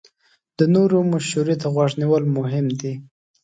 د نورو مشورې ته غوږ نیول مهم دي.